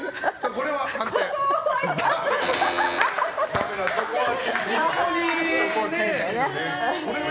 これは判定は？